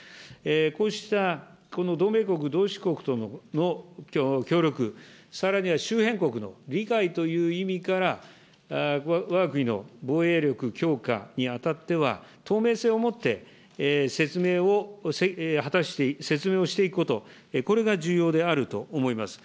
こうした同盟国、同志国との協力、さらには周辺国の理解という意味から、わが国の防衛力強化にあたっては、透明性をもって説明を果たして、説明をしていくこと、これが重要であると思います。